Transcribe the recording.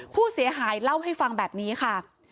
ผู้เสียหายเล่าให้ฟังแบบนี้ค่ะ